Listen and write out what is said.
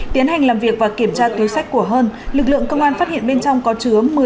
tiến hành làm việc và kiểm tra túi sách của hơn lực lượng công an phát hiện bên trong có chứa